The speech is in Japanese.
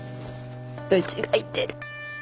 うちがいてる。